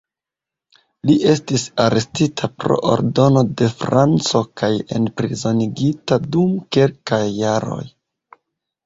Li estis arestita pro ordono de Franco kaj enprizonigita dum kelkaj jaroj.